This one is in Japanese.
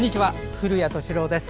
古谷敏郎です。